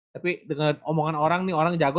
tapi dengan omongan orang nih orang jago